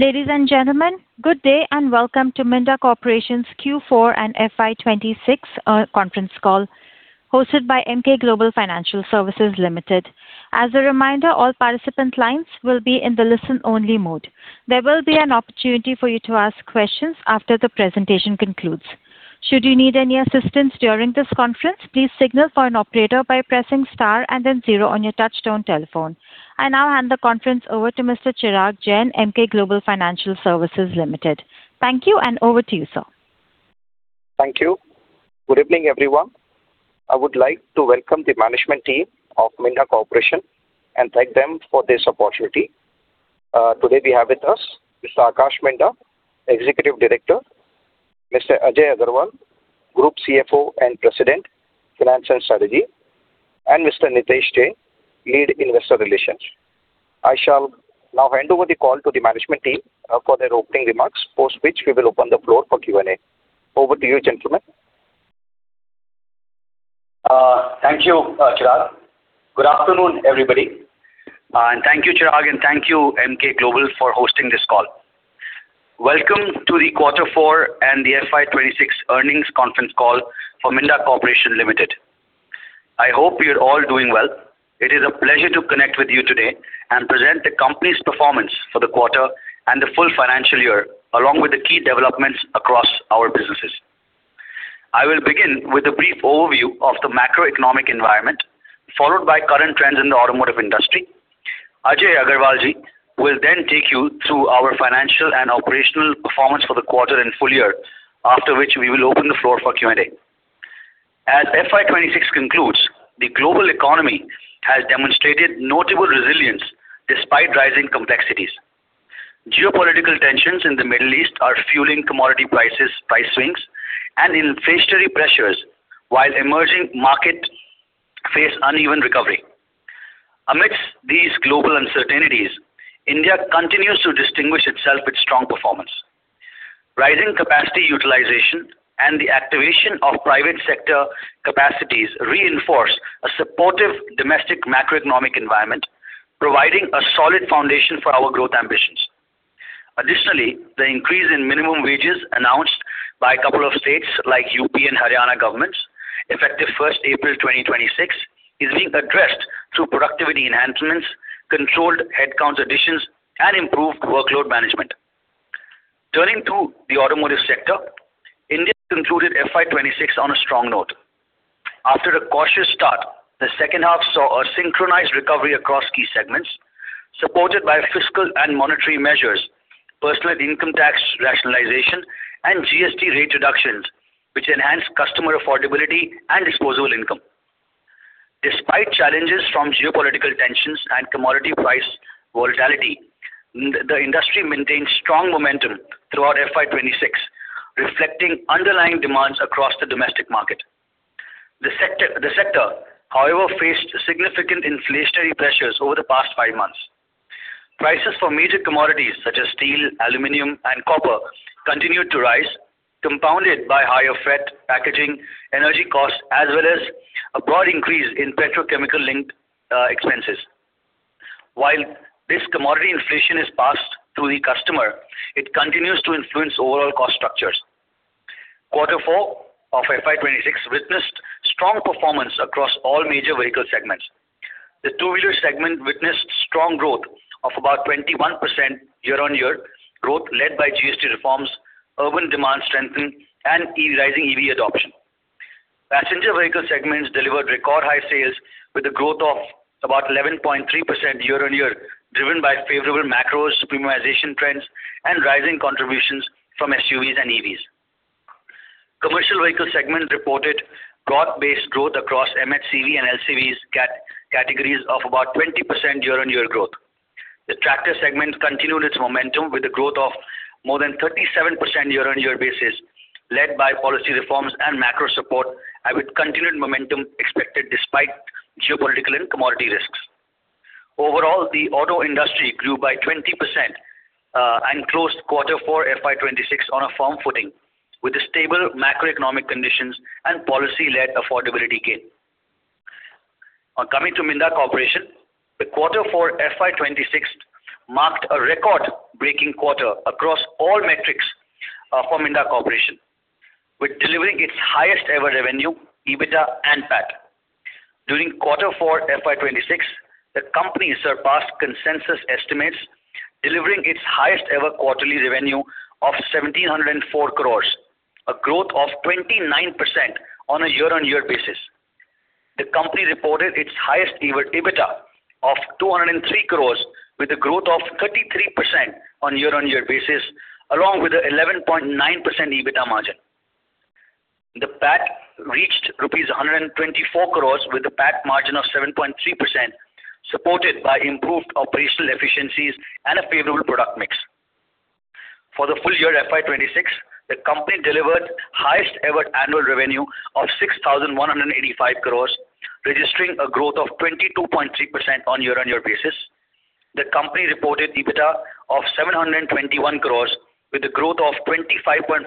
Ladies and gentlemen, good day and welcome to Minda Corporation's Q4 and FY 2026 conference call hosted by Emkay Global Financial Services Limited. As a reminder, all participant lines will be in the listen-only mode. There will be an opportunity for you to ask questions after the presentation concludes. Should you need any assistance during this conference, please signal for an operator by pressing star and then zero on your touch-tone telephone. I now hand the conference over to Mr. Chirag Jain, Emkay Global Financial Services Limited. Thank you and over to you, sir. Thank you. Good evening, everyone. I would like to welcome the management team of Minda Corporation and thank them for this opportunity. Today we have with us Mr. Aakash Minda, Executive Director, Mr. Ajay Agarwal, Group CFO and President, Finance and Strategy, and Mr. Nitesh Jain, Lead Investor Relations. I shall now hand over the call to the management team for their opening remarks, post which we will open the floor for Q&A. Over to you, gentlemen. Thank you, Chirag. Good afternoon, everybody. Thank you, Chirag, and thank you Emkay Global for hosting this call. Welcome to the quarter four and the FY 2026 earnings conference call for Minda Corporation Limited. I hope you're all doing well. It is a pleasure to connect with you today and present the company's performance for the quarter and the full financial year, along with the key developments across our businesses. I will begin with a brief overview of the macroeconomic environment, followed by current trends in the automotive industry. Ajay Agarwalji will then take you through our financial and operational performance for the quarter and full year, after which we will open the floor for Q&A. As FY 2026 concludes, the global economy has demonstrated notable resilience despite rising complexities. Geopolitical tensions in the Middle East are fueling commodity prices, price swings, and inflationary pressures, while emerging markets face uneven recovery. Amidst these global uncertainties, India continues to distinguish itself with strong performance. Rising capacity utilization and the activation of private sector capacities reinforce a supportive domestic macroeconomic environment, providing a solid foundation for our growth ambitions. Additionally, the increase in minimum wages announced by a couple of states like UP and Haryana governments, effective 1st April 2026, is being addressed through productivity enhancements, controlled headcount additions, and improved workload management. Turning to the automotive sector, India concluded FY 2026 on a strong note. After a cautious start, the second half saw a synchronized recovery across key segments, supported by fiscal and monetary measures, personal income tax rationalization, and GST rate reductions, which enhanced customer affordability and disposable income. Despite challenges from geopolitical tensions and commodity price volatility, the industry maintained strong momentum throughout FY 2026, reflecting underlying demands across the domestic market. The sector, however, faced significant inflationary pressures over the past five months. Prices for major commodities such as steel, aluminum, and copper continued to rise, compounded by higher freight, packaging, energy costs, as well as a broad increase in petrochemical-linked expenses. While this commodity inflation is passed to the customer, it continues to influence overall cost structures. Quarter four of FY 2026 witnessed strong performance across all major vehicle segments. The two-wheeler segment witnessed strong growth of about 21% year-on-year growth led by GST reforms, urban demand strengthening, and rising EV adoption. Passenger vehicle segments delivered record high sales with a growth of about 11.3% year-on-year, driven by favorable macro premiumization trends and rising contributions from SUVs and EVs. Commercial vehicle segments reported broad-based growth across MHCV and LCVs categories of about 20% year-on-year growth. The tractor segment continued its momentum with a growth of more than 37% year-on-year basis, led by policy reforms and macro support, and with continued momentum expected despite geopolitical and commodity risks. Overall, the auto industry grew by 20% and closed quarter four FY 2026 on a firm footing with the stable macroeconomic conditions and policy-led affordability gain. Coming to Minda Corporation, the quarter four FY 2026 marked a record-breaking quarter across all metrics for Minda Corporation, with delivering its highest-ever revenue, EBITDA and PAT. During Quarter four FY 2026, the company surpassed consensus estimates, delivering its highest-ever quarterly revenue of 1,704 crore, a growth of 29% on a year-on-year basis. The company reported its highest-ever EBITDA of 203 crore with a growth of 33% on a year-on-year basis, along with a 11.9% EBITDA margin. The PAT reached INR 124 crores with a PAT margin of 7.3%, supported by improved operational efficiencies and a favorable product mix. For the full year FY 2026, the company delivered highest-ever annual revenue of 6,185 crores, registering a growth of 22.3% on a year-on-year basis. The company reported EBITDA of 721 crores with a growth of 25.5%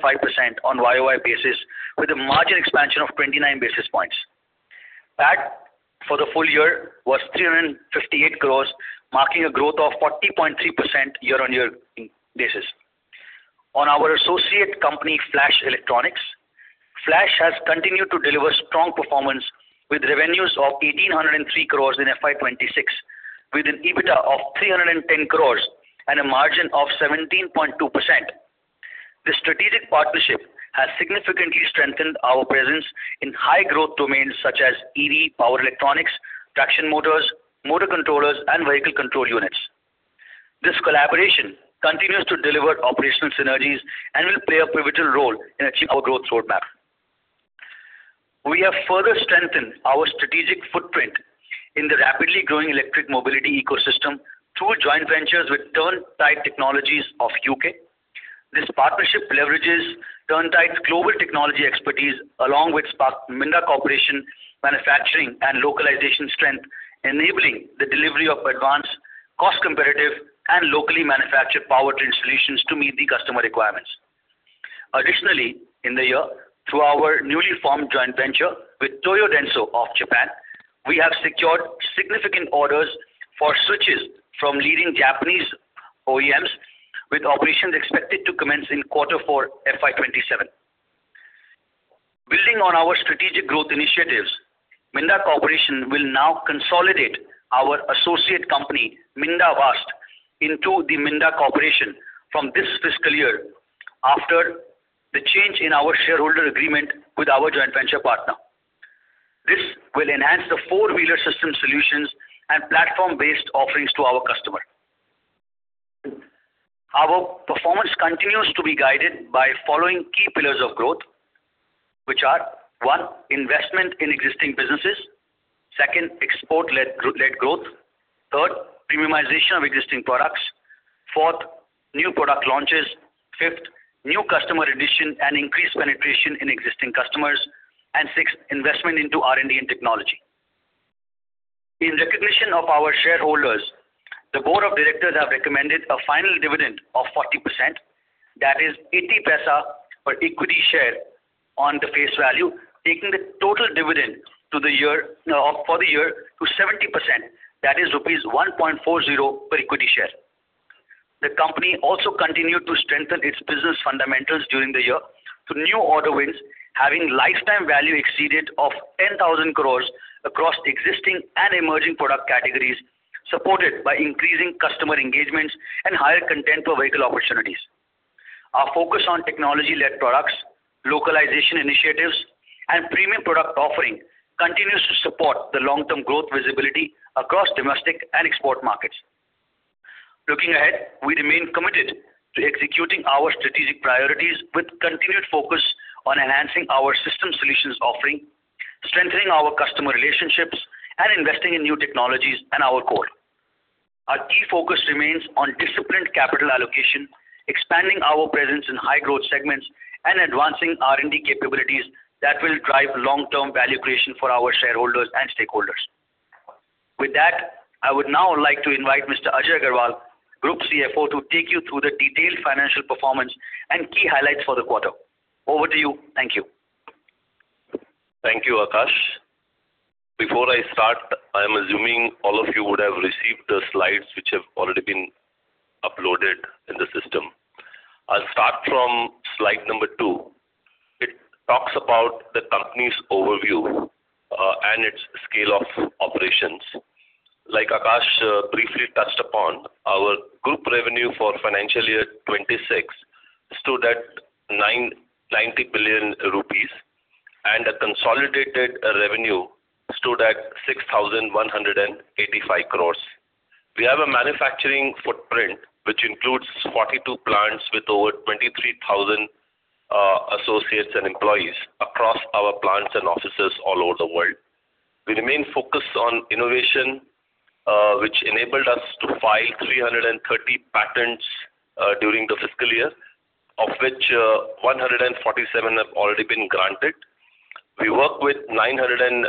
on YoY basis with a margin expansion of 29 basis points. That for the full year was 358 crores, marking a growth of 40.3% year-on-year basis. On our associate company, Flash Electronics. Flash has continued to deliver strong performance with revenues of 1,803 crores in FY 2026, with an EBITDA of 310 crores and a margin of 17.2%. This strategic partnership has significantly strengthened our presence in high growth domains such as EV power electronics, traction motors, motor controllers, and vehicle control units. This collaboration continues to deliver operational synergies and will play a pivotal role in achieving our growth roadmap. We have further strengthened our strategic footprint in the rapidly growing electric mobility ecosystem through joint ventures with Turntide Technologies of U.K. This partnership leverages Turntide's global technology expertise along with Spark Minda Corporation manufacturing and localization strength, enabling the delivery of advanced, cost competitive, and locally manufactured powertrain solutions to meet the customer requirements. Additionally, in the year, through our newly formed joint venture with Toyodenso of Japan, we have secured significant orders for switches from leading Japanese OEMs, with operations expected to commence in quarter four FY 2027. Building on our strategic growth initiatives, Minda Corporation will now consolidate our associate company, Minda VAST, into the Minda Corporation from this fiscal year after the change in our shareholder agreement with our joint venture partner. This will enhance the four-wheeler system solutions and platform-based offerings to our customer. Our performance continues to be guided by following key pillars of growth, which are, one, investment in existing businesses, second, export-led growth, third, premiumization of existing products, fourth, new product launches, fifth, new customer addition and increased penetration in existing customers, and sixth, investment into R&D and technology. In recognition of our shareholders, the board of directors have recommended a final dividend of 40%, that is 0.80 per equity share on the face value, taking the total dividend for the year to 70%, that is rupees 1.40 per equity share. The company also continued to strengthen its business fundamentals during the year through new order wins, having lifetime value exceeded of 10,000 crores across existing and emerging product categories, supported by increasing customer engagements and higher content per vehicle opportunities. Our focus on technology-led products, localization initiatives, and premium product offering continues to support the long-term growth visibility across domestic and export markets. Looking ahead, we remain committed to executing our strategic priorities with continued focus on enhancing our system solutions offering, strengthening our customer relationships, and investing in new technologies and our core. Our key focus remains on disciplined capital allocation, expanding our presence in high growth segments, and advancing R&D capabilities that will drive long-term value creation for our shareholders and stakeholders. With that, I would now like to invite Mr. Ajay Agarwal, Group CFO, to take you through the detailed financial performance and key highlights for the quarter. Over to you. Thank you. Thank you, Aakash. Before I start, I'm assuming all of you would have received the slides which have already been uploaded in the system. I'll start from slide number two. It talks about the company's overview, and its scale of operations. Like Akash briefly touched upon, our group revenue for financial year 2026 stood at 90 billion rupees, and a consolidated revenue stood at 6,185 crores. We have a manufacturing footprint which includes 42 plants with over 23,000 associates and employees across our plants and offices all over the world. We remain focused on innovation, which enabled us to file 330 patents during the fiscal year, of which 147 have already been granted. We work with 950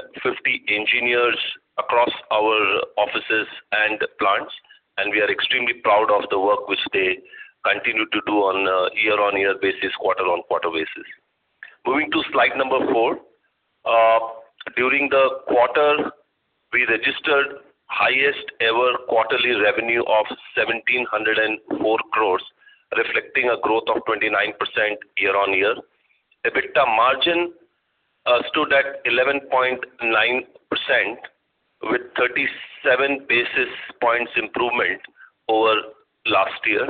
engineers across our offices and plants, and we are extremely proud of the work which they continue to do on a year-on-year basis, quarter-on-quarter basis. Moving to slide number four. During the quarter, we registered highest ever quarterly revenue of 1,704 crores, reflecting a growth of 29% year-on-year. EBITDA margin stood at 11.9% with 37 basis points improvement over last year.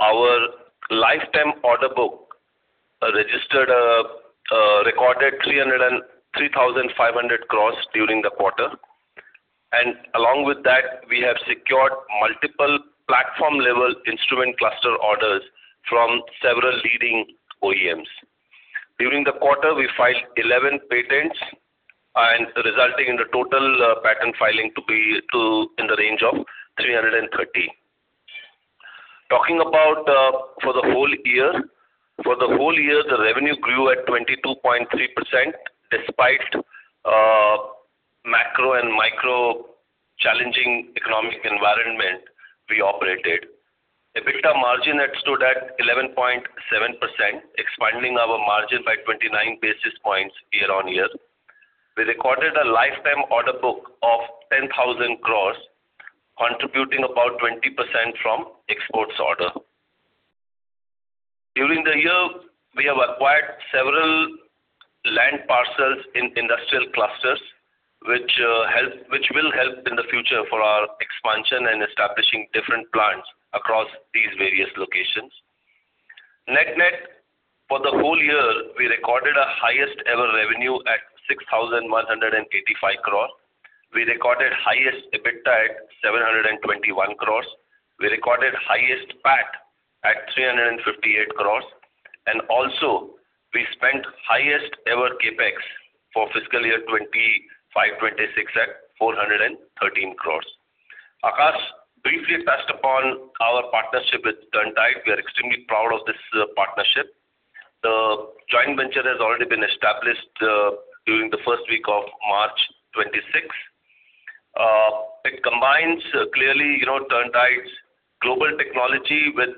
Our lifetime order book recorded 3,500 crores during the quarter. Along with that, we have secured multiple platform level instrument cluster orders from several leading OEMs. During the quarter, we filed 11 patents, and resulting in the total patent filing to be in the range of 330. Talking about for the whole year. For the whole year, the revenue grew at 22.3% despite macro and micro challenging economic environment we operated. Margin had stood at 11.7%, expanding our margin by 29 basis points year-on-year. We recorded a lifetime order book of 10,000 crores, contributing about 20% from exports order. During the year, we have acquired several land parcels in industrial clusters, which will help in the future for our expansion and establishing different plants across these various locations. Net-net, for the whole year, we recorded our highest ever revenue at 6,185 crore. We recorded highest EBITDA at 721 crores. We recorded highest PAT at 358 crores. We also spent highest ever CapEx for fiscal year 2025/2026 at 413 crores. Aakash briefly touched upon our partnership with Turntide. We are extremely proud of this partnership. The joint venture has already been established during the first week of March 2026. It combines clearly Turntide's global technology with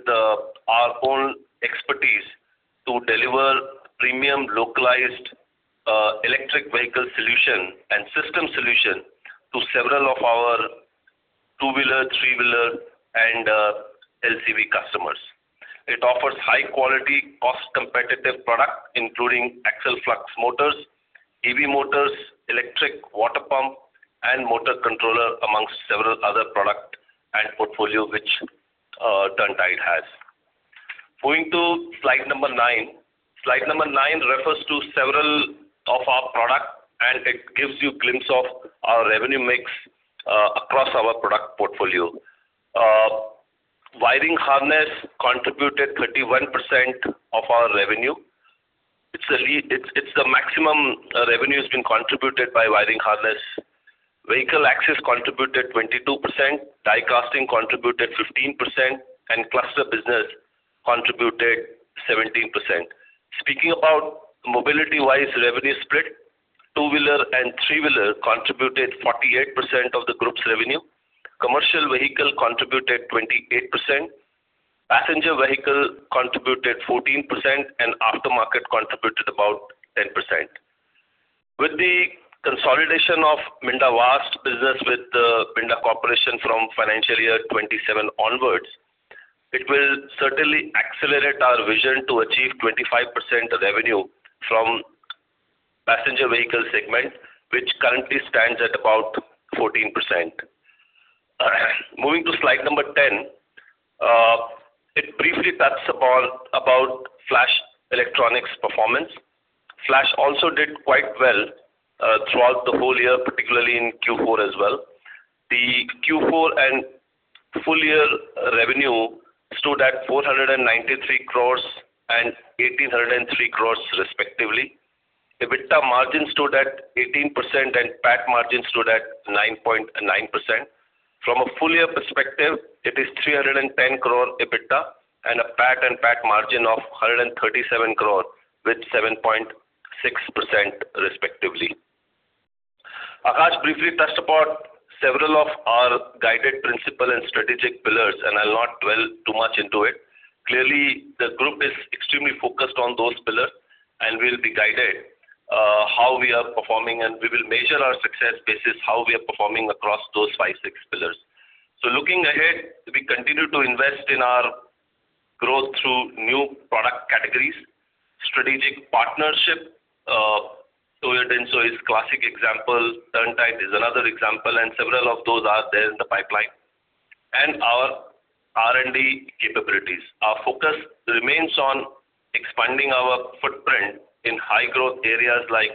our own expertise to deliver premium localized electric vehicle solution and system solution to several of our two-wheeler, three-wheeler, and LCV customers. It offers high quality, cost competitive product, including axial flux motors, EV motors, electric water pump, and motor controller, amongst several other product and portfolio which Turntide has. Going to slide number nine. Slide number nine refers to several of our product, and it gives you glimpse of our revenue mix, across our product portfolio. Wiring harness contributed 31% of our revenue. It's the maximum revenue that's been contributed by wiring harness. Vehicle access contributed 22%, die casting contributed 15%, and cluster business contributed 17%. Speaking about mobility-wise revenue split, two-wheeler and three-wheeler contributed 48% of the group's revenue, commercial vehicle contributed 28%, passenger vehicle contributed 14%, and aftermarket contributed about 10%. With the consolidation of Minda VAST business with the Minda Corporation from financial year 2027 onwards, it will certainly accelerate our vision to achieve 25% revenue from passenger vehicle segment, which currently stands at about 14%. Moving to slide number 10. It briefly touched upon about Flash Electronics performance. Flash also did quite well throughout the whole year, particularly in Q4 as well. The Q4 and full year revenue stood at 493 crore and 1,803 crore respectively. EBITDA margin stood at 18%, and PAT margin stood at 9.9%. From a full year perspective, it is 310 crore EBITDA and a PAT and PAT margin of 137 crore with 7.6% respectively. Aakash briefly touched upon several of our guided principle and strategic pillars, and I'll not dwell too much into it. Clearly, the group is extremely focused on those pillars and will be guided how we are performing, and we will measure our success basis how we are performing across those five, six pillars. Looking ahead, we continue to invest in our growth through new product categories, strategic partnership, Toyota Tsusho is classic example, Turntide is another example, and several of those are there in the pipeline, and our R&D capabilities. Our focus remains on expanding our footprint in high growth areas like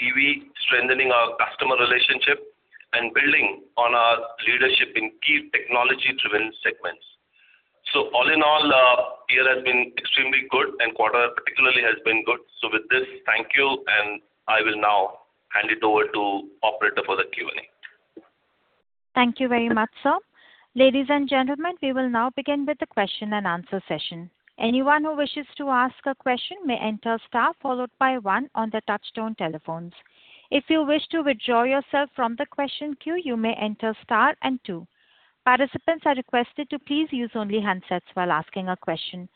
EV, strengthening our customer relationship, and building on our leadership in key technology-driven segments. All in all, year has been extremely good and quarter particularly has been good. With this, thank you, and I will now hand it over to operator for the Q&A. Thank you very much, sir. Ladies and gentlemen, we will now begin with the question-and-answer session. Anyone who wishes to ask a question may enter star followed by one on their touchtone telephones. If you wish to withdraw yourself from the question queue, you may enter star and two. Participants are requested to please use only handsets while asking a question.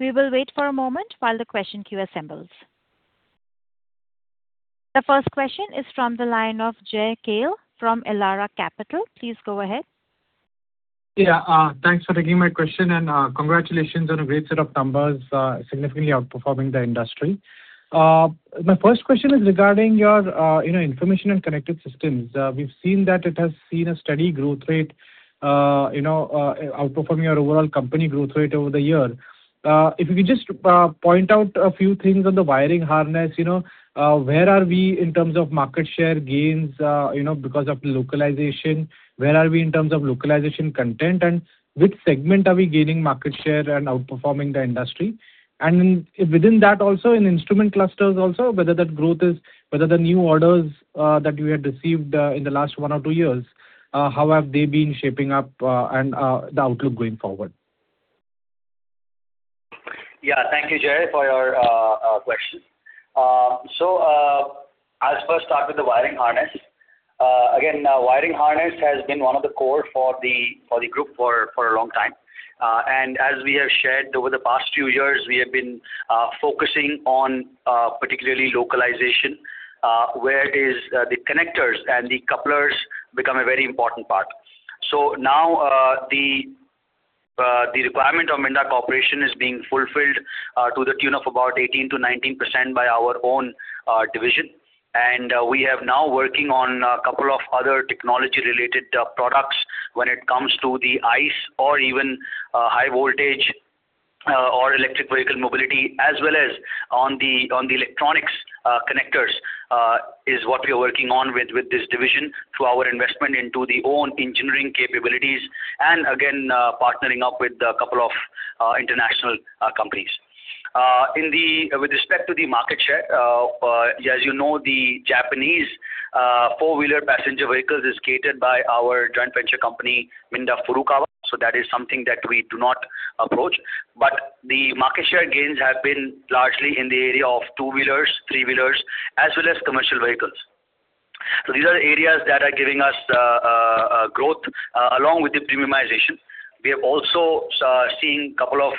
We will wait for a moment while the question queue assembles. The first question is from the line of Jay Kale from Elara Capital. Please go ahead. Yeah, thanks for taking my question, and congratulations on a great set of numbers significantly outperforming the industry. My first question is regarding your information and connected systems. We've seen that it has seen a steady growth rate, outperforming your overall company growth rate over the year. If you could just point out a few things on the wiring harness. Where are we in terms of market share gains because of localization? Where are we in terms of localization content, and which segment are we gaining market share and outperforming the industry? Within that also, in instrument clusters also, whether the new orders that you had received in the last one or two years, how have they been shaping up, and the outlook going forward? Yeah. Thank you, Jay, for your question. I'll first start with the wiring harness. Again, wiring harness has been one of the core for the group for a long time. As we have shared over the past few years, we have been focusing on particularly localization, where the connectors and the couplers become a very important part. Now, the requirement of Minda Corporation is being fulfilled to the tune of about 18%-19% by our own division. We are now working on a couple of other technology-related products when it comes to the ICE or even high voltage or electric vehicle mobility, as well as on the electronics connectors, is what we are working on with this division through our investment into the own engineering capabilities, and again, partnering up with a couple of international companies. With respect to the market share, as you know, the Japanese four-wheeler passenger vehicles is catered by our joint venture company, Minda Furukawa. The market share gains have been largely in the area of two-wheelers, three-wheelers, as well as commercial vehicles. These are areas that are giving us growth, along with the premiumization. We have also seen couple of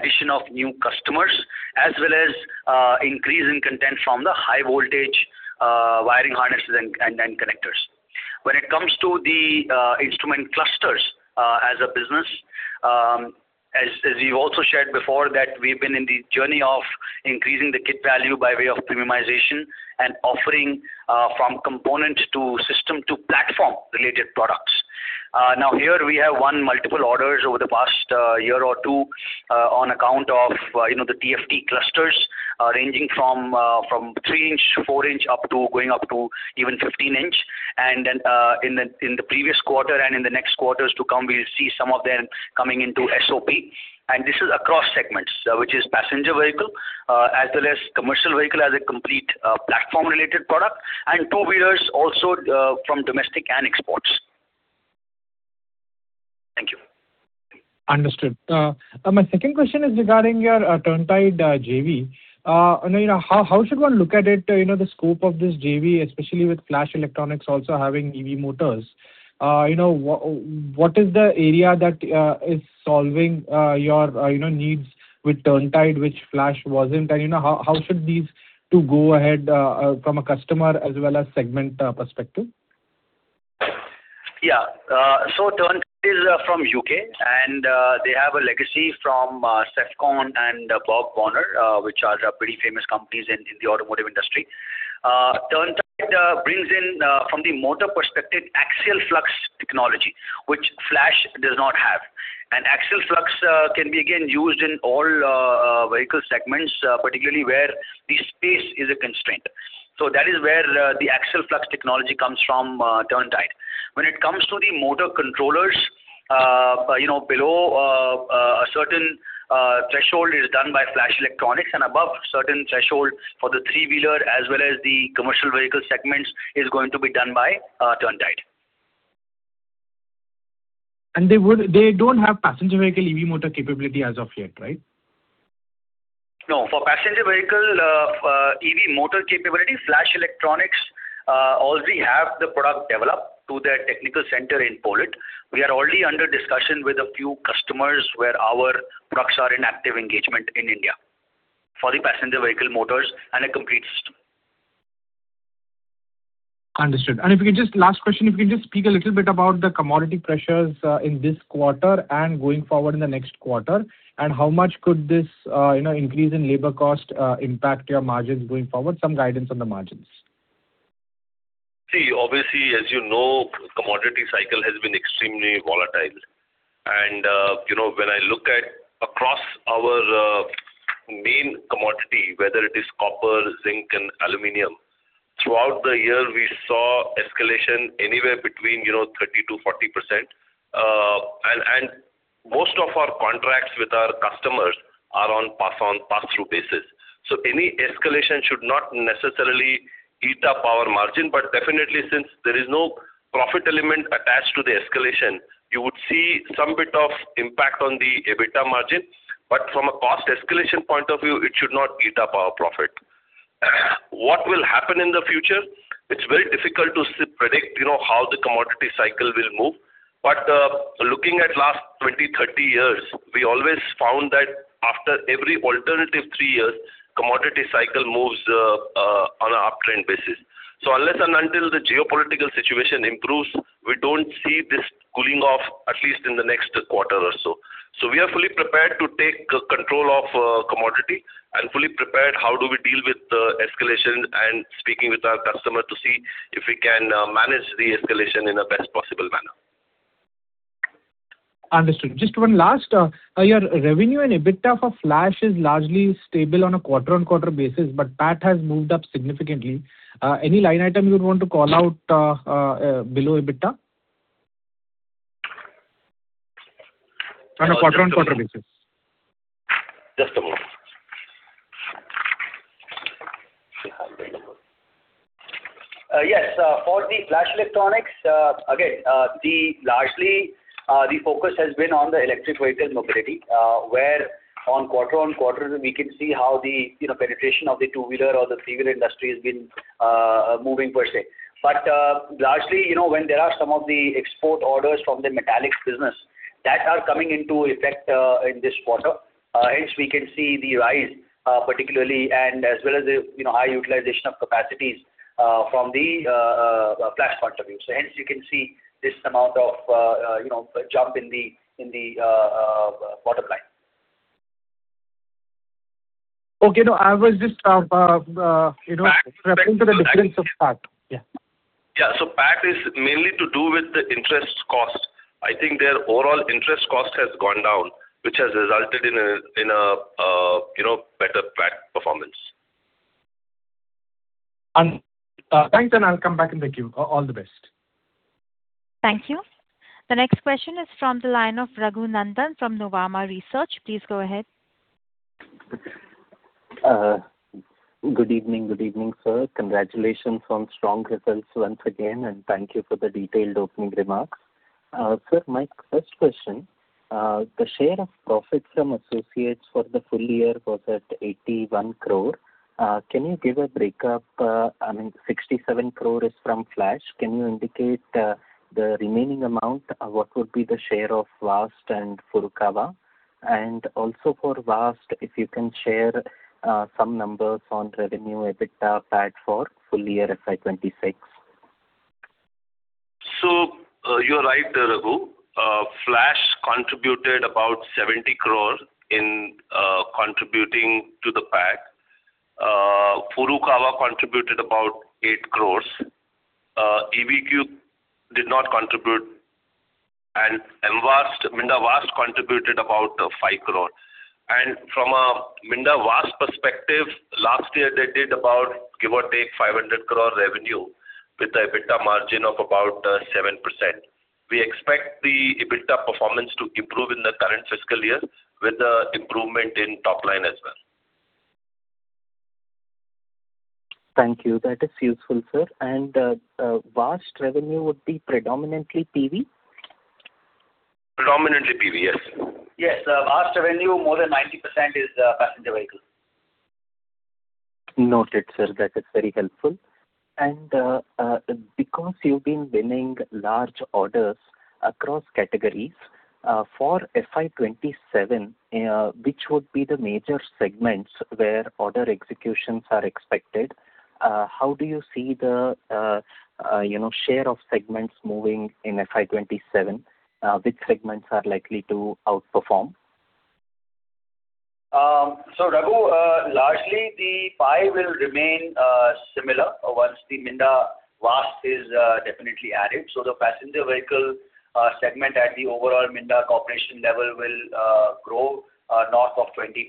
addition of new customers, as well as increase in content from the high voltage wiring harnesses and end connectors. When it comes to the instrument clusters as a business, as we've also shared before, that we've been in the journey of increasing the kit value by way of premiumization and offering from component to system to platform-related products. Here we have won multiple orders over the past year or two on account of the TFT clusters, ranging from 3 inch, 4 inch, up to going up to even 15 inch. In the previous quarter and in the next quarters to come, we'll see some of them coming into SOP. This is across segments, which is passenger vehicle as well as commercial vehicle as a complete platform-related product, and two-wheelers also, from domestic and exports. Thank you. Understood. My second question is regarding your Turntide JV. How should one look at it, the scope of this JV, especially with Flash Electronics also having EV motors? What is the area that is solving your needs with Turntide, which Flash wasn't? How should these two go ahead from a customer as well as segment perspective? Turntide is from U.K., they have a legacy from Sevcon and BorgWarner, which are pretty famous companies in the automotive industry. Turntide brings in, from the motor perspective, axial flux technology, which Flash does not have. axial flux can be, again, used in all vehicle segments, particularly where the space is a constraint. that is where the axial flux technology comes from Turntide. When it comes to the motor controllers, below a certain threshold is done by Flash Electronics, and above certain threshold for the three-wheeler as well as the commercial vehicle segments is going to be done by Turntide. They don't have passenger vehicle EV motor capability as of yet, right? No. For passenger vehicle EV motor capability, Flash Electronics already have the product developed to their technical center in Poland. We are already under discussion with a few customers where our products are in active engagement in India for the passenger vehicle motors and a complete system. Understood. Last question, if you can just speak a little bit about the commodity pressures in this quarter and going forward in the next quarter, and how much could this increase in labor cost impact your margins going forward? Some guidance on the margins. Obviously, as you know, commodity cycle has been extremely volatile. When I look at across our main commodity, whether it is copper, zinc, and aluminum, throughout the year, we saw escalation anywhere between 30%-40%. Most of our contracts with our customers are on pass-through basis. Any escalation should not necessarily eat up our margin. Definitely, since there is no profit element attached to the escalation, you would see some bit of impact on the EBITDA margin. From a cost escalation point of view, it should not eat up our profit. What will happen in the future? It's very difficult to predict how the commodity cycle will move. Looking at last 20, 30 years, we always found that after every alternative three years, commodity cycle moves on a uptrend basis. Unless and until the geopolitical situation improves, we don't see this cooling off, at least in the next quarter or so. We are fully prepared to take control of commodity and fully prepared how do we deal with the escalation and speaking with our customer to see if we can manage the escalation in a best possible manner. Understood. Just one last. Your revenue and EBITDA for Flash is largely stable on a quarter-on-quarter basis, but PAT has moved up significantly. Any line item you would want to call out below EBITDA? On a quarter-on-quarter basis. Yes. For the Flash Electronics, again, largely, the focus has been on the electric vehicle mobility, where on quarter-on-quarter, we can see how the penetration of the two-wheeler or the three-wheeler industry has been moving per se. Largely, when there are some of the export orders from the metallics business that are coming into effect in this quarter, hence we can see the rise particularly and as well as the high utilization of capacities from the Flash point of view. Hence you can see this amount of jump in the bottom line. Okay. No, I was just referring to the difference of PAT. Yeah. Yeah. PAT is mainly to do with the interest cost. I think their overall interest cost has gone down, which has resulted in a better PAT performance. Thanks. I'll come back in the queue. All the best. Thank you. The next question is from the line of Raghunandhan from Nuvama Research. Please go ahead. Good evening. Good evening, sir. Congratulations on strong results once again, and thank you for the detailed opening remarks. Sir, my first question, the share of profit from associates for the full year was at 81 crore. Can you give a breakup? I mean, 67 crore is from Flash. Can you indicate the remaining amount? What would be the share of VAST and Furukawa? And also for VAST, if you can share some numbers on revenue, EBITDA, PAT for full year FY 2026. You're right, Raghu. Flash contributed about 70 crore in contributing to the PAT. Furukawa contributed about 8 crore. EVQ did not contribute, and Minda VAST contributed about 5 crore. From a Minda VAST perspective, last year they did about give or take 500 crore revenue with a EBITDA margin of about 7%. We expect the EBITDA performance to improve in the current fiscal year with improvement in top line as well. Thank you. That is useful, sir. VAST revenue would be predominantly PV? Predominantly PV, yes. Yes. VAST revenue, more than 90% is passenger vehicles. Noted, sir. That is very helpful. Because you've been winning large orders across categories, for FY 2027, which would be the major segments where order executions are expected, how do you see the share of segments moving in FY 2027? Which segments are likely to outperform? Raghu, largely the pie will remain similar once the Minda VAST is definitely added. The passenger vehicle segment at the overall Minda Corporation level will grow north of 20%.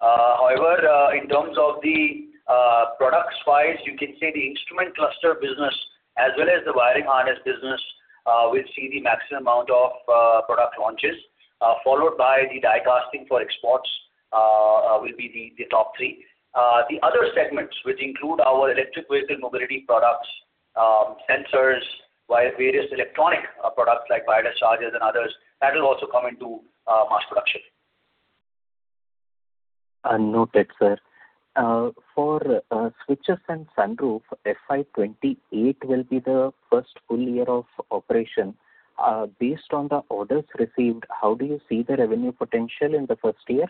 However, in terms of the products wise, you can say the instrument cluster business as well as the wiring harness business will see the maximum amount of product launches, followed by the die casting for exports will be the top 3. The other segments, which include our electric vehicle mobility products, sensors, various electronic products like bike chargers and others, that will also come into mass production. Noted, sir. For switches and sunroof, FY 2028 will be the first full year of operation. Based on the orders received, how do you see the revenue potential in the first year?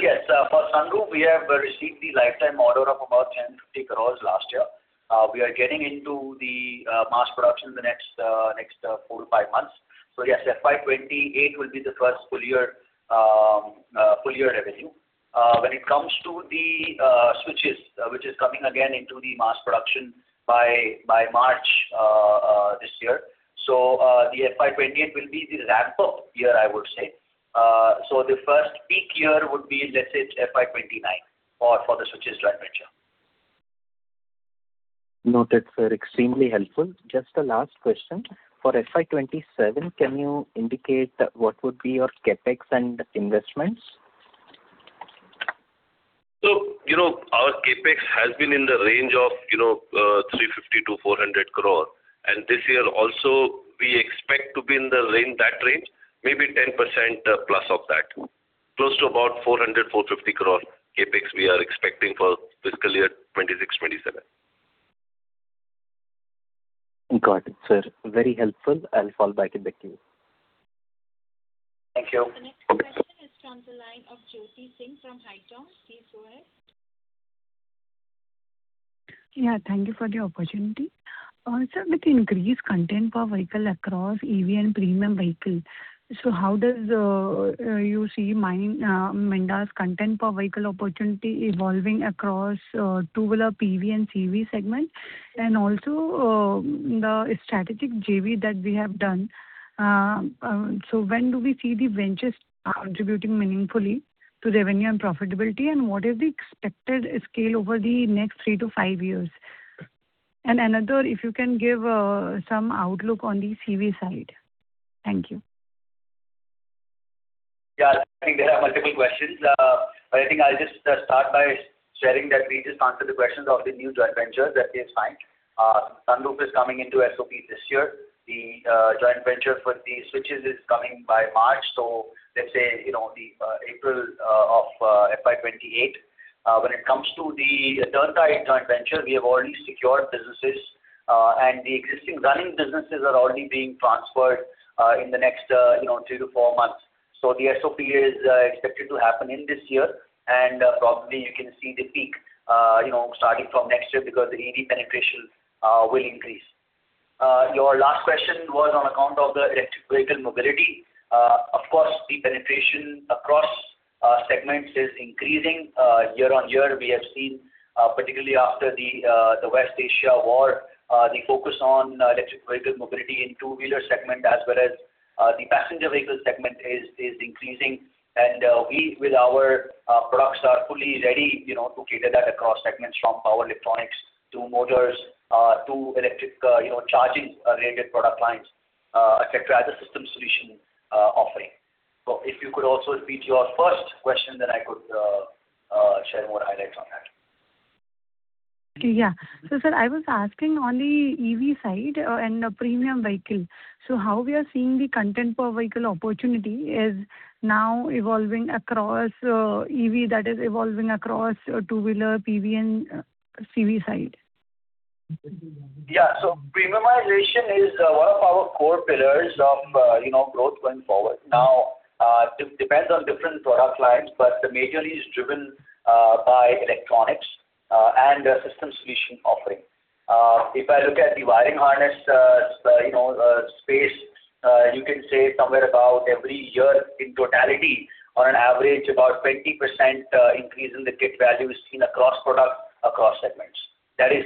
Yes, for sunroof, we have received the lifetime order of about 10 crore-50 crore last year. We are getting into the mass production in the next 4-5 months. Yes, FY 2028 will be the first full year revenue. When it comes to the switches, which is coming again into the mass production by March this year. The FY 2028 will be the ramp-up year, I would say. The first peak year would be, let's say, FY 2029 for the switches revenue. Noted, sir. Extremely helpful. Just the last question. For FY 2027, can you indicate what would be your CapEx and investments? Our CapEx has been in the range of 350 crore-400 crore. This year also, we expect to be in that range, maybe 10%+ of that. Close to about 400 crore-450 crore CapEx we are expecting for fiscal year 2026/2027. Got it, sir. Very helpful. I will fall back in the queue. Thank you. The next question is from the line of Jyoti Singh from PGIM. Please go ahead. Yeah, thank you for the opportunity. Sir, with increased content per vehicle across EV and premium vehicle, how do you see Minda's content per vehicle opportunity evolving across two-wheeler PV and CV segment? Also, the strategic JV that we have done, when do we see the ventures contributing meaningfully to revenue and profitability, and what is the expected scale over the next 3-5 years? Another, if you can give some outlook on the CV side. Thank you. Yeah, I think there are multiple questions. I think I'll just start by sharing that we just answered the questions of the new joint venture, that is fine. Sunroof is coming into SOP this year. The joint venture for the switches is coming by March, so let's say, the April of FY 2028. When it comes to the Turntide joint venture, we have already secured businesses, and the existing running businesses are already being transferred in the next 3-4 months. The SOP is expected to happen in this year, and probably you can see the peak starting from next year because the EV penetration will increase. Your last question was on account of the electric vehicle mobility. Of course, the penetration across segments is increasing year-on-year. We have seen, particularly after the West Asia war, the focus on electric vehicle mobility in two-wheeler segment as well as the passenger vehicle segment is increasing. We, with our products, are fully ready to cater that across segments from power electronics to motors, to electric charging-related product lines, et cetera, as a system solution offering. If you could also repeat your first question, then I could share more highlights on that. Yeah. sir, I was asking on the EV side and premium vehicle. How we are seeing the content per vehicle opportunity is now evolving across EV, that is evolving across two-wheeler, PV and CV side. Yeah. Premiumization is one of our core pillars of growth going forward. Now, it depends on different product lines, but majorly it's driven by electronics and system solution offering. If I look at the wiring harness space, you can say somewhere about every year in totality, on an average, about 20% increase in the kit value is seen across product, across segments. That is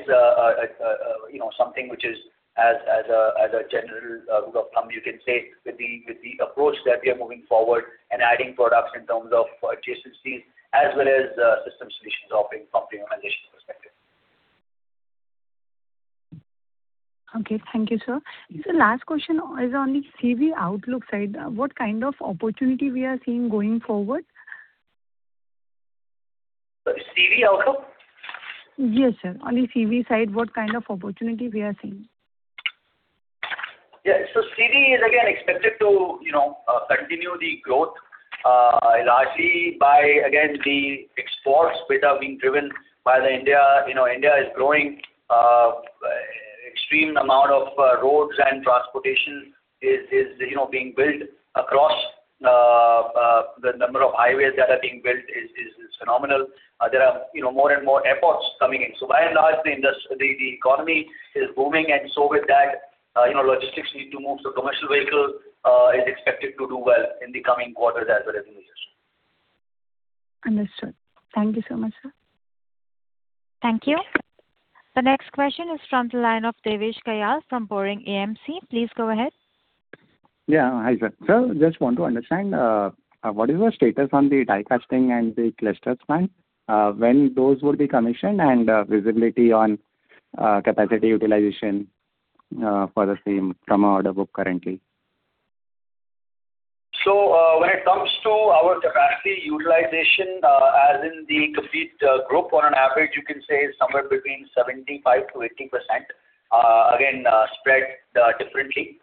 something which is, as a general rule of thumb, you can say, with the approach that we are moving forward and adding products in terms of adjacencies as well as systems solutions offering from premiumization perspective. Okay. Thank you, sir. Sir, last question is on the CV outlook side. What kind of opportunity we are seeing going forward? Sorry, CV outlook? Yes, sir. On the CV side, what kind of opportunity we are seeing? Yeah. CV is, again, expected to continue the growth, largely by, again, the exports which are being driven by India. India is growing, extreme amount of roads and transportation is being built across. The number of highways that are being built is phenomenal. There are more and more airports coming in. By and large, the economy is booming, and so with that, logistics need to move. Commercial vehicle is expected to do well in the coming quarters as well as in the years. Understood. Thank you so much, sir. Thank you. The next question is from the line of Devesh Kayal from Boring AMC. Please go ahead. Yeah. Hi, sir. Sir, just want to understand, what is the status on the die casting and the clusters plant, when those will be commissioned, and visibility on capacity utilization for the same from our order book currently? When it comes to our capacity utilization, as in the complete group, on an average, you can say somewhere between 75%-80%, again, spread differently.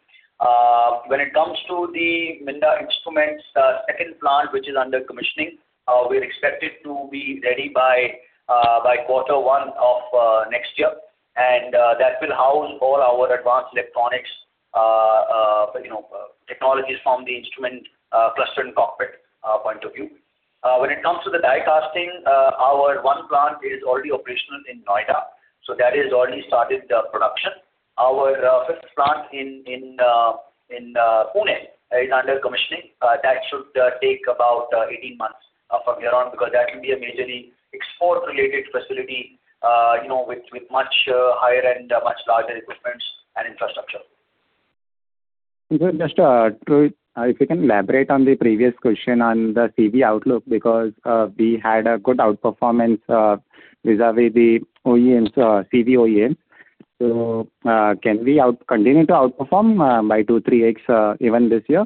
When it comes to the Minda Instruments' second plant, which is under commissioning, we're expected to be ready by quarter one of next year, and that will house all our advanced electronics technologies from the instrument cluster and cockpit point of view. When it comes to the die casting, our one plant is already operational in Noida, so that has already started production. Our fifth plant in Pune is under commissioning. That should take about 18 months from here on, because that will be a majorly export-related facility with much higher end, much larger equipment and infrastructure. If you can elaborate on the previous question on the CV outlook, because we had a good outperformance vis-à-vis the CV OEMs. Can we continue to outperform by 2x/3x even this year?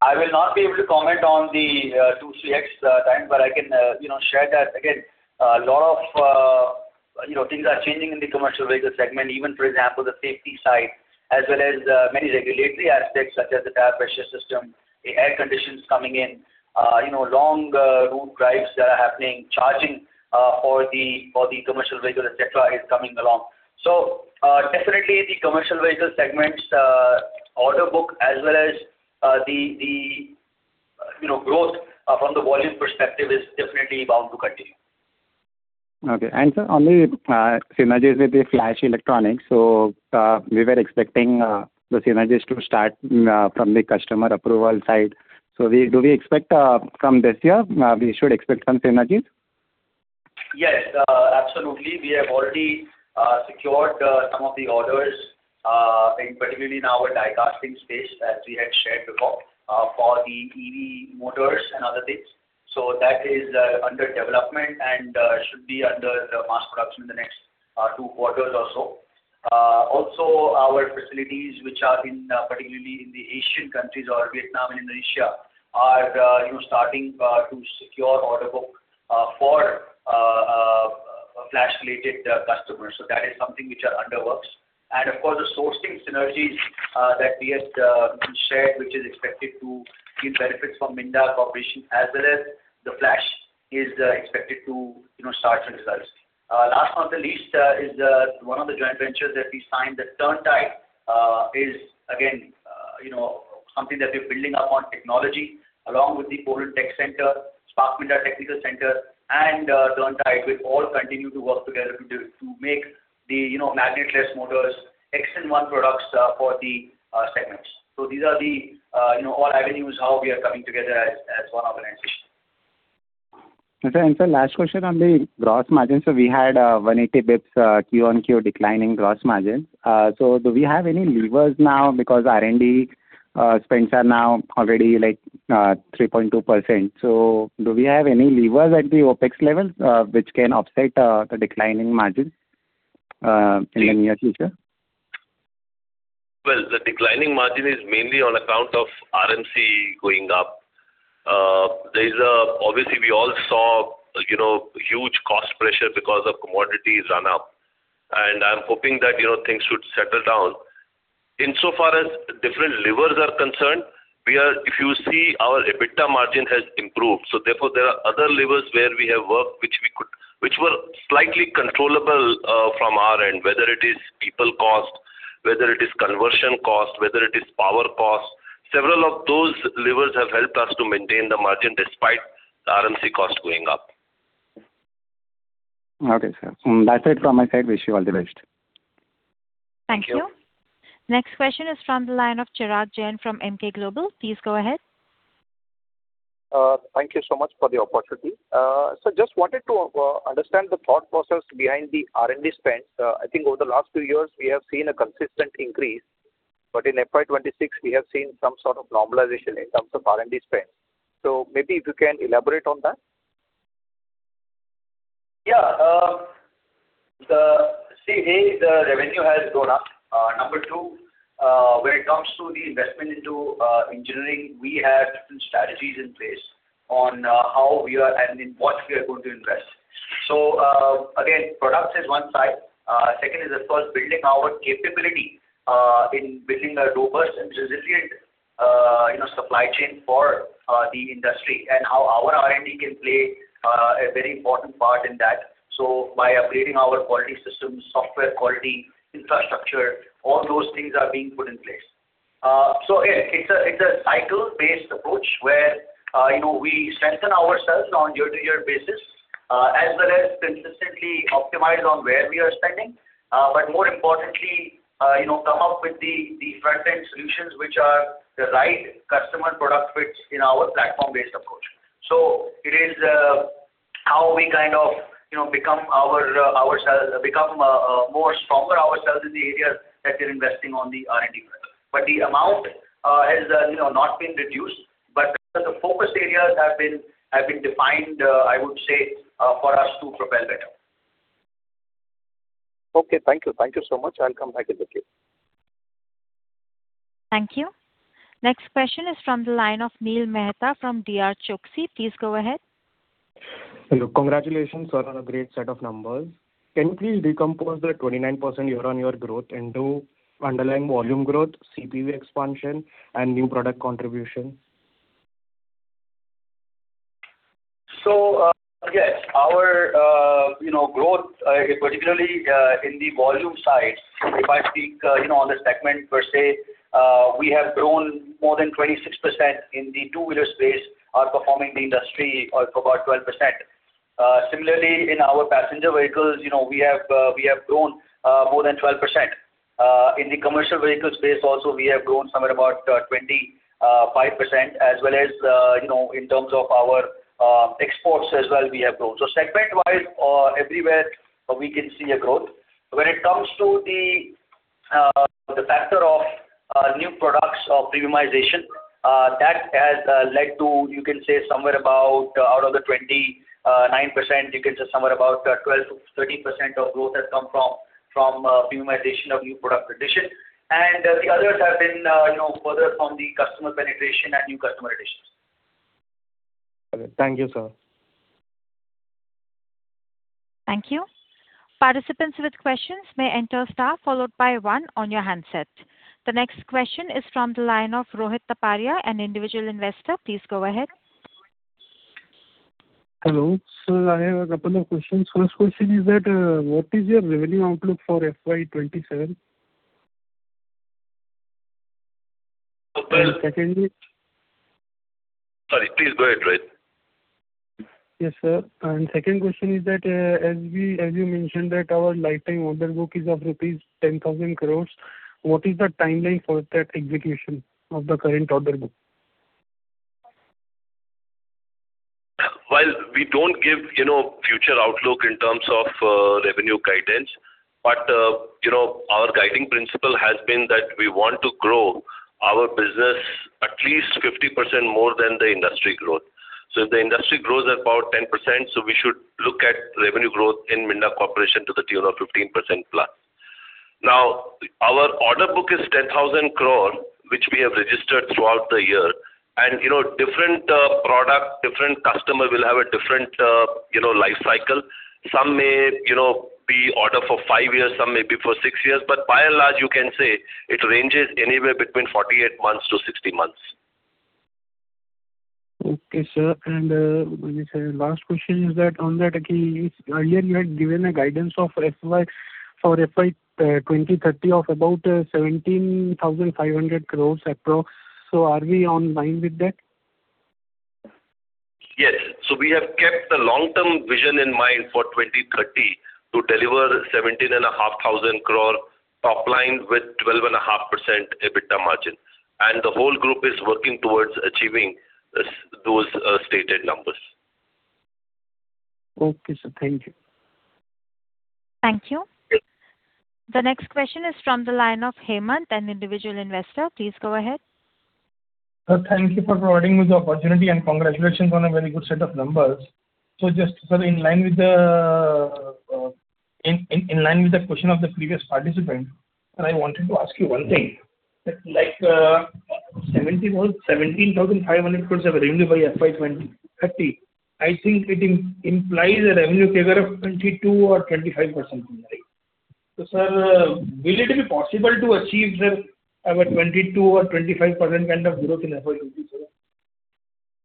I will not be able to comment on the 2x/3x time. I can share that, again, a lot of things are changing in the commercial vehicle segment. Even, for example, the safety side, as well as many regulatory aspects, such as the tire pressure system, the air conditions coming in, long route drives that are happening, charging for the commercial vehicle, et cetera, is coming along. Definitely, the commercial vehicle segment's order book as well as the growth from the volume perspective is definitely bound to continue. Okay. sir, on the synergies with the Flash Electronics, we were expecting the synergies to start from the customer approval side. Do we expect from this year, we should expect some synergies? Yes. Absolutely. We have already secured some of the orders, particularly in our die casting space, as we had shared before, for the EV motors and other things. That is under development and should be under mass production in the next two quarters or so. Also, our facilities, which are particularly in the Asian countries or Vietnam and Indonesia, are starting to secure order book for Flash-related customers. That is something which are under works. Of course, the sourcing synergies that we have shared, which is expected to give benefits from Minda Corporation, as well as the Flash, is expected to start to disperse. Last but not the least, is one of the joint ventures that we signed, the Turntide, is again something that we're building upon technology along with the Poland tech center, Spark Minda technical center, and Turntide. We've all continued to work together to make the magnet-less motors X-in-one products for the segments. These are all avenues how we are coming together as one organization. Sir, last question on the gross margins. We had 180 basis points Q-on-Q decline in gross margins. Do we have any levers now because R&D spends are now already 3.2%? Do we have any levers at the OpEx level which can offset the decline in margins in the near future? Well, the declining margin is mainly on account of RMC going up. Obviously, we all saw huge cost pressure because of commodities run up, and I'm hoping that things should settle down. Insofar as different levers are concerned, if you see, our EBITDA margin has improved. Therefore, there are other levers where we have worked, which were slightly controllable from our end, whether it is people cost, whether it is conversion cost, whether it is power cost. Several of those levers have helped us to maintain the margin despite the RMC cost going up. Okay, sir. That's it from my side. Wish you all the best. Thank you. Thank you. Next question is from the line of Chirag Jain from Emkay Global. Please go ahead. Thank you so much for the opportunity. Sir, just wanted to understand the thought process behind the R&D spends. I think over the last few years, we have seen a consistent increase, but in FY 2026, we have seen some sort of normalization in terms of R&D spends. Maybe if you can elaborate on that. Yeah. The revenue has gone up. Number 2, when it comes to the investment into engineering, we have different strategies in place on how we are and in what we are going to invest. Again, products is one side. Second is, of course, building our capability in building a robust and resilient supply chain for the industry and how our R&D can play a very important part in that. By upgrading our quality systems, software quality, infrastructure, all those things are being put in place. It's a cycle-based approach where we strengthen ourselves on year-to-year basis, as well as consistently optimize on where we are spending. More importantly, come up with the front-end solutions, which are the right customer product fits in our platform-based approach. It is how we kind of become more stronger ourselves in the areas that we're investing on the R&D level. The amount has not been reduced, but the focus areas have been defined, I would say, for us to propel better. Okay, thank you. Thank you so much. I'll come back in the queue. Thank you. Next question is from the line of Neel Mehta from DRChoksey. Please go ahead. Hello. Congratulations on a great set of numbers. Can you please decompose the 29% year-on-year growth into underlying volume growth, CPV expansion, and new product contribution? Yes, our growth, particularly in the volume side, if I speak on the segment per se, we have grown more than 26% in the two-wheeler space, outperforming the industry for about 12%. Similarly, in our passenger vehicles, we have grown more than 12%. In the commercial vehicle space also, we have grown somewhere about 25%, as well as in terms of our exports as well, we have grown. Segment-wise, everywhere, we can see a growth. When it comes to the factor of new products or premiumization, that has led to, you can say, somewhere about out of the 29%, you can say somewhere about 12%-13% of growth has come from premiumization of new product addition. The others have been further from the customer penetration and new customer additions. Thank you, sir. Thank you. Participants with questions may enter star followed by one on your handsets. The next question is from the line of Rohit Taparia, an individual investor. Please go ahead. Hello. Sir, I have a couple of questions. First question is that, what is your revenue outlook for FY 2027? Sorry, please go ahead, Rohit. Yes, sir. Second question is that, as you mentioned that our lifetime order book is of rupees 10,000 crores, what is the timeline for that execution of the current order book? While we don't give future outlook in terms of revenue guidance, but our guiding principle has been that we want to grow our business at least 50% more than the industry growth. If the industry grows at about 10%, so we should look at revenue growth in Minda Corporation to the tune of 15%+. Now, our order book is 10,000 crore, which we have registered throughout the year. Different product, different customer will have a different life cycle. Some may be order for 5 years, some may be for 6 years. By and large, you can say it ranges anywhere between 48 months to 60 months. Okay, sir. Last question is that on that, earlier you had given a guidance for FY 2030 of about 17,500 crores approx. Are we in line with that? Yes. We have kept the long-term vision in mind for 2030 to deliver 17,500 crore top line with 12.5% EBITDA margin. The whole group is working towards achieving those stated numbers. Okay, sir. Thank you. Thank you. The next question is from the line of Hemant, an individual investor. Please go ahead. Sir, thank you for providing me the opportunity, and congratulations on a very good set of numbers. Just, sir, in line with the question of the previous participant, and I wanted to ask you one thing. 17,500 crores of revenue by FY 2030, I think it implies a revenue CAGR of 22% or 25% or something. Sir, will it be possible to achieve, sir, our 22% or 25% kind of growth in FY 2020, sir?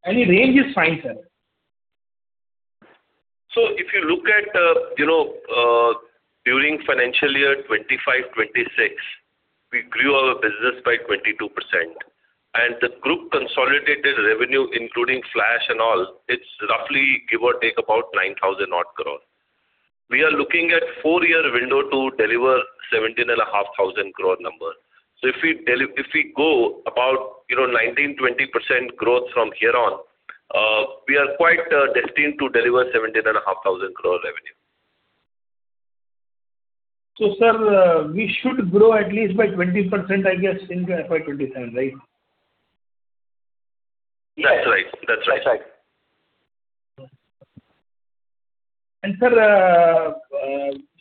Any range is fine, sir. If you look at during financial year 2025/2026, we grew our business by 22%. The group consolidated revenue, including Flash and all, it's roughly give or take about 9,000 odd crore. We are looking at 4-year window to deliver 17,500 crore number. If we go about 19%-20% growth from here on, we are quite destined to deliver 17,500 crore revenue. Sir, we should grow at least by 20%, I guess, in FY 2027, right? That's right. Sir,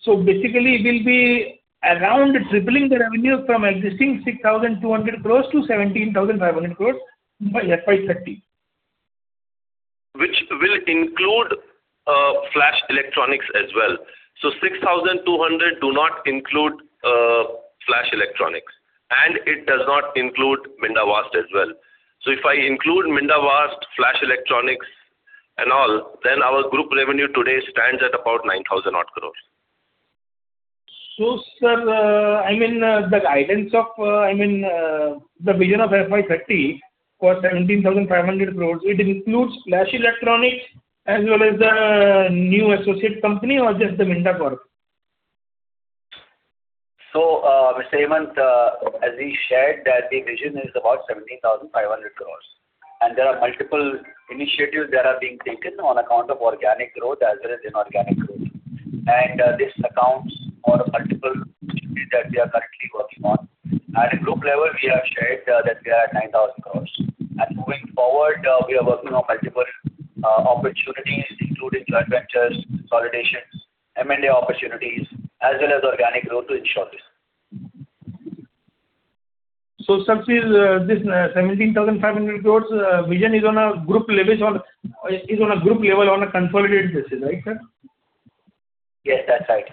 so basically we'll be around tripling the revenue from existing 6,200 crores to 17,500 crores by FY 2030. Which will include Flash Electronics as well. 6,200 do not include Flash Electronics. It does not include Minda VAST as well. If I include Minda VAST, Flash Electronics and all, then our group revenue today stands at about 9,000 odd crores. sir, the vision of FY 2030 for 17,500 crores, it includes Flash Electronics as well as the new associate company, or just the Minda Corp? Mr. Hemant, as we shared that the vision is about 17,500 crores, and there are multiple initiatives that are being taken on account of organic growth as well as inorganic growth. This accounts for multiple initiatives that we are currently working on. At a group level, we have shared that we are at 9,000 crores. Moving forward, we are working on multiple opportunities, including joint ventures, consolidations, M&A opportunities, as well as organic growth to ensure this. Sir, this 17,500 crores vision is on a group level on a consolidated basis, right, sir? Yes, that's right.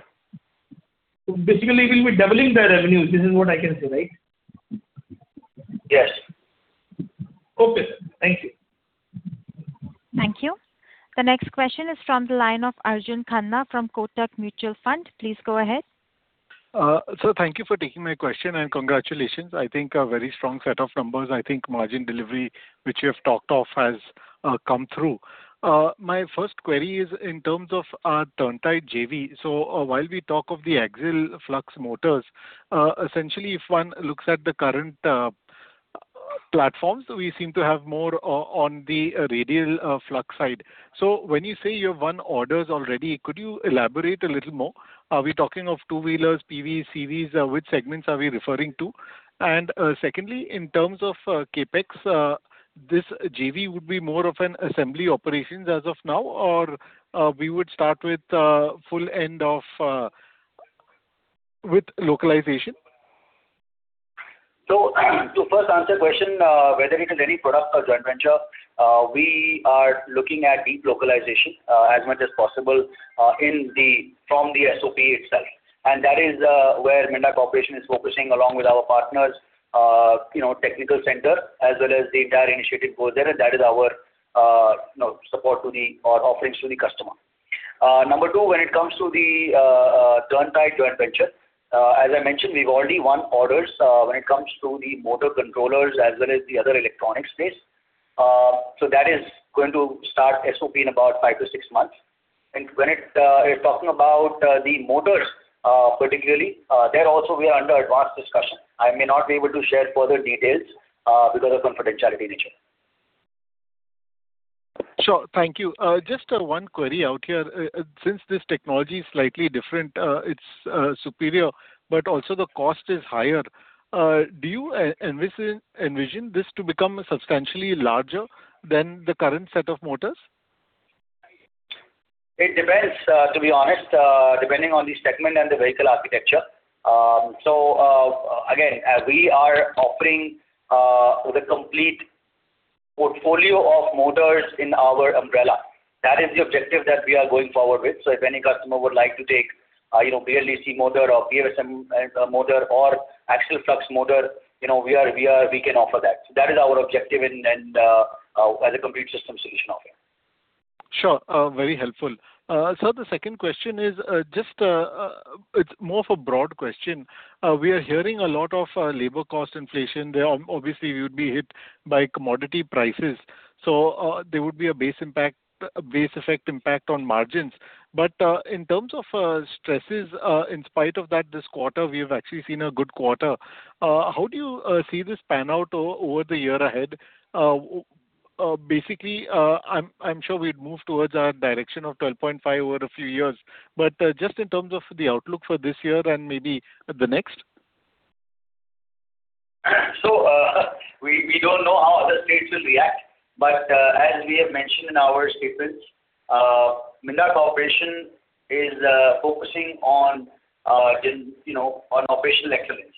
Basically we'll be doubling the revenue. This is what I can say, right? Yes. Okay, sir. Thank you. Thank you. The next question is from the line of Arjun Khanna from Kotak Mutual Fund. Please go ahead. Sir, thank you for taking my question, and congratulations. I think a very strong set of numbers. I think margin delivery, which you have talked of, has come through. My first query is in terms of our Turntide JV. While we talk of the axial flux motors, essentially if one looks at the current platforms, we seem to have more on the radial flux side. When you say you have won orders already, could you elaborate a little more? Are we talking of two-wheelers, PV, CVs? Which segments are we referring to? Secondly, in terms of CapEx, this JV would be more of an assembly operations as of now, or we would start with full end with localization? To first answer your question, whether it is any product or joint venture, we are looking at deep localization as much as possible from the SOP itself. That is where Minda Corporation is focusing along with our partners' technical center, as well as the entire initiative goes there, and that is our offerings to the customer. Number two, when it comes to the Turntide joint venture, as I mentioned, we've already won orders when it comes to the motor controllers as well as the other electronic space. That is going to start SOP in about 5-6 months. When it is talking about the motors particularly, there also we are under advanced discussion. I may not be able to share further details because of confidentiality nature. Sure. Thank you. Just one query out here. Since this technology is slightly different, it is superior, but also the cost is higher. Do you envision this to become substantially larger than the current set of motors? It depends, to be honest, depending on the segment and the vehicle architecture. Again, we are offering the complete portfolio of motors in our umbrella. That is the objective that we are going forward with. If any customer would like to take a BLDC motor or PMSM motor or axial flux motor, we can offer that. That is our objective as a complete system solution offering. Sure. Very helpful. Sir, the second question is more of a broad question. We are hearing a lot of labor cost inflation there. Obviously, we would be hit by commodity prices. There would be a base effect impact on margins. In terms of stresses, in spite of that, this quarter, we have actually seen a good quarter. How do you see this pan out over the year ahead? Basically, I'm sure we'd move towards our direction of 12.5% over a few years, but just in terms of the outlook for this year and maybe the next. We don't know how other states will react, but as we have mentioned in our statements, Minda Corporation is focusing on operational excellence.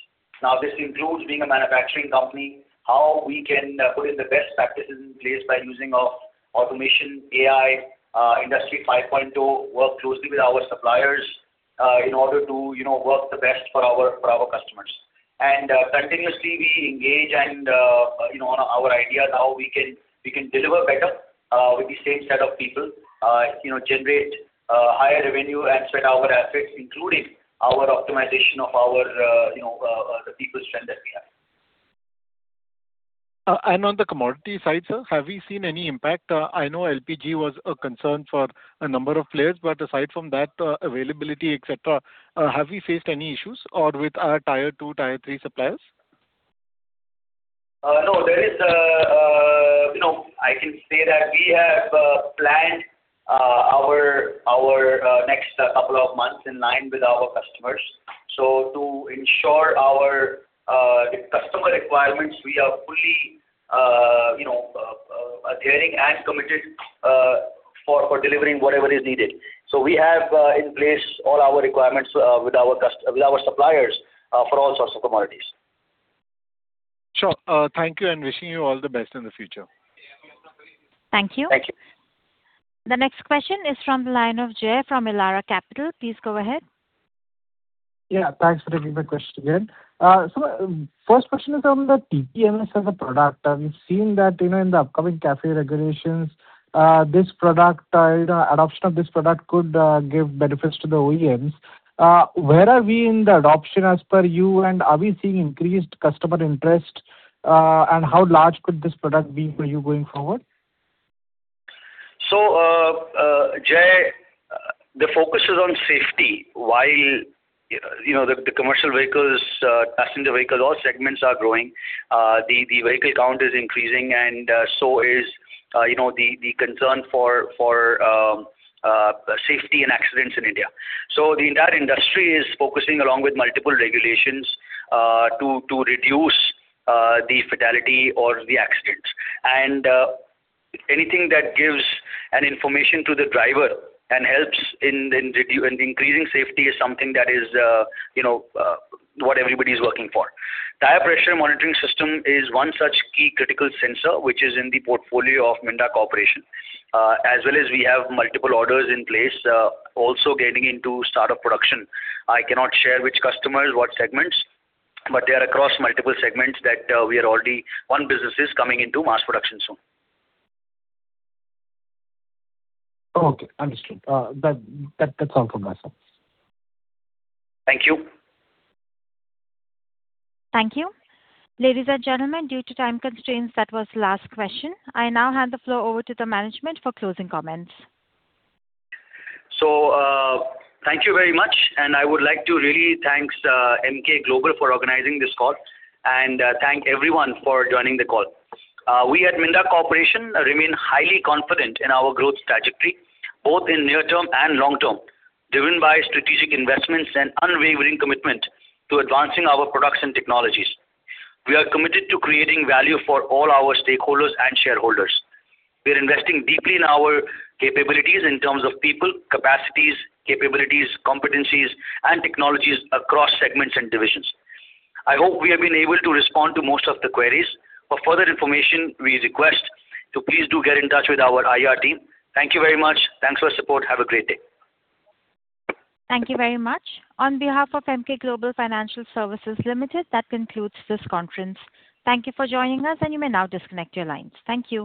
This includes being a manufacturing company, how we can put in the best practices in place by using our automation, AI, Industry 5.0, work closely with our suppliers in order to work the best for our customers. Continuously we engage and on our ideas how we can deliver better with the same set of people, generate higher revenue and spread our assets, including our optimization of the people strength that we have. On the commodity side, sir, have we seen any impact? I know LPG was a concern for a number of players, but aside from that, availability, et cetera, have we faced any issues or with our Tier 2, Tier 3 suppliers? No, I can say that we have planned our next couple of months in line with our customers. To ensure our customer requirements, we are fully gearing and committed for delivering whatever is needed. We have in place all our requirements with our suppliers for all sorts of commodities. Sure. Thank you and wishing you all the best in the future. Thank you. Thank you. The next question is from the line of Jay from Elara Capital. Please go ahead. Thanks for taking my question again. First question is on the TPMS as a product. We've seen that in the upcoming CAFE regulations, adoption of this product could give benefits to the OEMs. Where are we in the adoption as per you? Are we seeing increased customer interest? How large could this product be for you going forward? Jay, the focus is on safety. While the commercial vehicles, passenger vehicles, all segments are growing, the vehicle count is increasing and so is the concern for safety and accidents in India. The entire industry is focusing along with multiple regulations to reduce the fatality or the accidents. Anything that gives an information to the driver and helps in increasing safety is something that is what everybody's working for. Tire Pressure Monitoring System is one such key critical sensor, which is in the portfolio of Minda Corporation. As well as we have multiple orders in place, also getting into startup production. I cannot share which customers, what segments, but they are across multiple segments that we are already, one business is coming into mass production soon. Okay, understood. That's all from my side. Thank you. Thank you. Ladies and gentlemen, due to time constraints, that was the last question. I now hand the floor over to the management for closing comments. Thank you very much, and I would like to really thank Emkay Global for organizing this call and thank everyone for joining the call. We at Minda Corporation remain highly confident in our growth trajectory, both in near term and long term, driven by strategic investments and unwavering commitment to advancing our products and technologies. We are committed to creating value for all our stakeholders and shareholders. We are investing deeply in our capabilities in terms of people, capacities, capabilities, competencies, and technologies across segments and divisions. I hope we have been able to respond to most of the queries. For further information, we request to please do get in touch with our IR team. Thank you very much. Thanks for the support. Have a great day. Thank you very much. On behalf of Emkay Global Financial Services Limited, that concludes this conference. Thank you for joining us, and you may now disconnect your lines. Thank you.